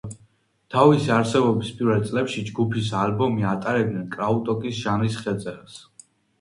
თავისი არსებობის პირველ წლებში ჯგუფის ალბომი ატარებდნენ კრაუტროკის ჟანრის ხელწერას.